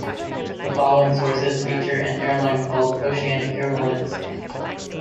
The following sources feature an airline called Oceanic Airlines.